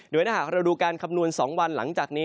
เดี๋ยวถ้าเราดูการคำนวณสองวันหลังจากนี้